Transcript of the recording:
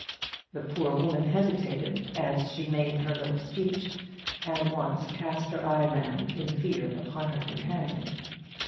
The poor woman hesitated as she made her little speech, and once cast her eye round in fear upon her companion.